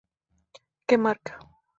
Que marca.